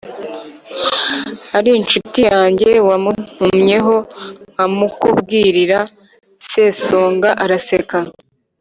ari inshuti yange, wamuntumyeho nkamukubwirira?” Sesonga araseka